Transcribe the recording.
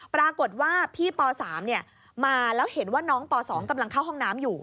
ปรากฏว่าพี่ป๓มาแล้วเห็นว่าน้องป๒กำลังเข้าห้องน้ำอยู่